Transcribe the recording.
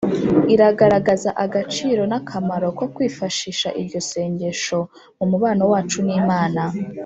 iragaragaza agaciro n’akamaro ko kwifashisha iryo sengesho mu mubano wacu n’imana